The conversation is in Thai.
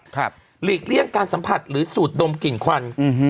หลีกเลี่ยงการสัมผัสหรือสูดดมกลิ่นควันอืม